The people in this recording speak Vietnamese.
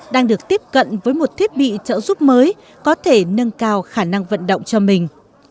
đang được tiếp cận với một thiết bị trợ giúp mới có thể nâng cao khả năng vận động cho mình